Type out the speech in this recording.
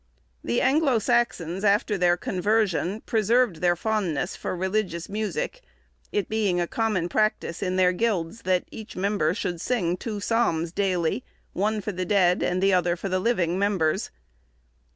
The Anglo Saxons, after their conversion, preserved their fondness for religious music, it being a common practice in their guilds that each member should sing two psalms daily, one for the dead, and the other for the living members.